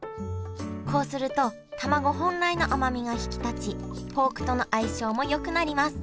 こうするとたまご本来の甘みが引き立ちポークとの相性もよくなります